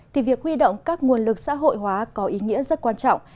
thì việc huy động các nguồn lực xã hội hóa có ý nghĩa rất quan trọng